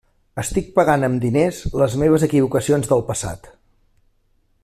Estic pagant amb diners les meves equivocacions del passat.